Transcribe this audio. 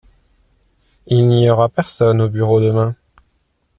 Il n’y aura personne au bureau demain.